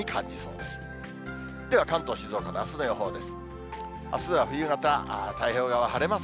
では関東、静岡のあすの予報です。